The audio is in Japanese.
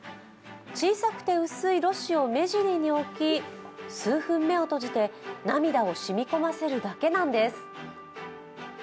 小さくて薄いろ紙を目尻に置き数分目を閉じて涙を染み込ませるだけなんです。